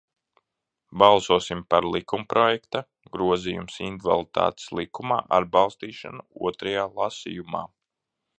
"Balsosim par likumprojekta "Grozījums Invaliditātes likumā" atbalstīšanu otrajā lasījumā!"